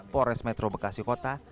pores metro bekasi kota